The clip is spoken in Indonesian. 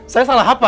saya salah apa pak